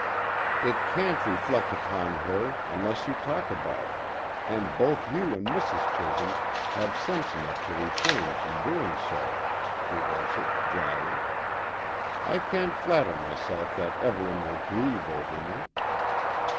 "It can't reflect upon her, unless you talk about it, and both you and Mrs. Chisholm have sense enough to refrain from doing so," he answered dryly. "I can't flatter myself that Evelyn will grieve over me."